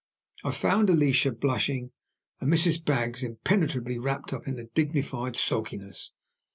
I found Alicia blushing, and Mrs. Baggs impenetrably wrapped up in dignified sulkiness.